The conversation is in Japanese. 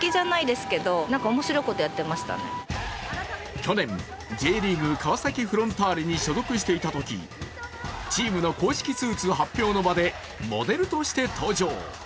去年、Ｊリーグ、川崎フロンターレに所属していたときチームの公式スーツ発表の場でモデルとして登場。